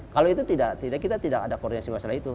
kalau itu tidak kita tidak ada koordinasi masalah itu